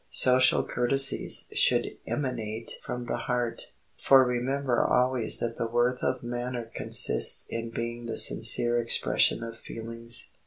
Social courtesies should emanate from the heart, for remember always that the worth of manner consists in being the sincere expression of feelings.